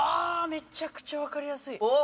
めちゃくちゃ分かりやすい！